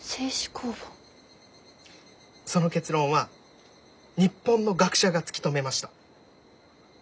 その結論は日本の学者が突き止めました。